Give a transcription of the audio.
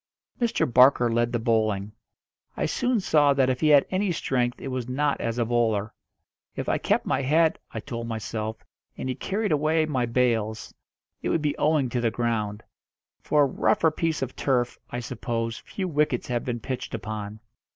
Mr. Barker led the bowling. I soon saw that if he had any strength it was not as a bowler. If I kept my head, I told myself, and he carried away my bails, it would be owing to the ground; for a rougher piece of turf, I suppose, few wickets have been pitched upon.